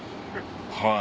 はい。